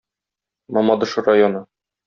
Мамадыш районы.